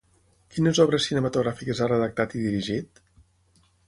Quines obres cinematogràfiques ha redactat i dirigit?